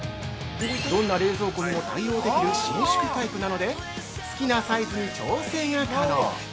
どんな冷蔵庫にも対応できる伸縮タイプなので好きなサイズに調整が可能。